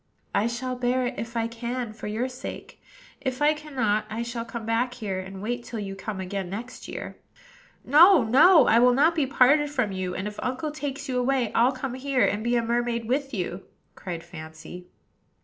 "I shall bear it, if I can, for your sake; if I cannot, I shall come back here, and wait till you come again next year." "No, no! I will not be parted from you; and, if uncle takes you away, I'll come here, and be a mermaid with you," cried Fancy.